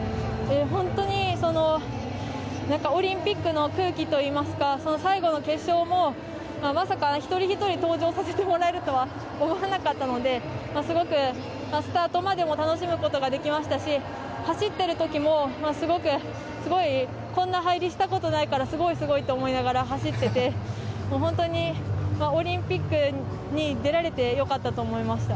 本当にオリンピックの空気といいますか最後の決勝も、まさか一人ひとり登場させてもらえるとは思わなかったのですごくスタートまでも楽しむことができましたし走っている時もすごくこんな入りしたことないからすごいって思いながら走っててオリンピックに出られてよかったと思いました。